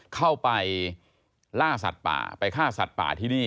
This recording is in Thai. เข้าไปล่าสัตว์ป่าไปฆ่าสัตว์ป่าที่นี่